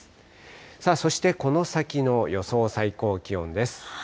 さあ、そしてこの先の予想最高気温です。